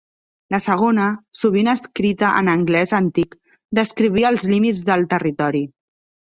La segona, sovint escrita en anglès antic, descrivia els límits del territori.